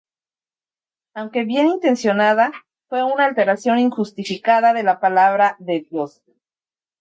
Aunque bien intencionada, fue una alteración injustificada de la Palabra de Dios.